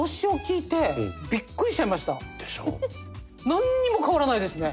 なんにも変わらないですね。